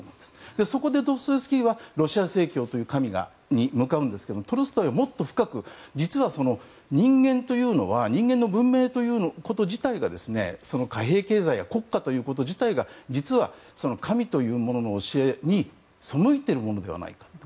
そこでドストエフスキーはロシア正教という神に向かうんですがトルストイはもっと深く実は人間の文明ということ自体が貨幣経済、国家という自体が実は神というものの教えに背いているものではないかと。